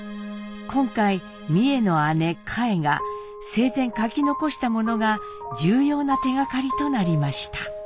今回美惠の姉佳惠が生前書き残したものが重要な手がかりとなりました。